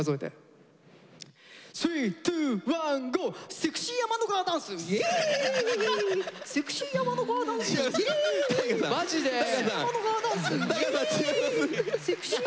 セクシー天の川ダンスイエイ！